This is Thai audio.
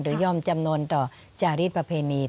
ยอมจำนวนต่อจาริสประเพณี